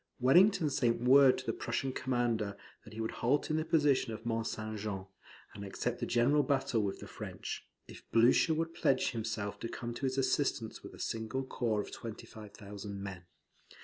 Wellington sent word to the Prussian commander that he would halt in the position of Mont St. Jean, and accept a general battle with the French, if Blucher would pledge himself to come to his assistance with a single corps of 25,000 men.